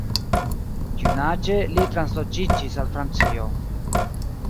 Junaĝe li transloĝiĝis al Francio.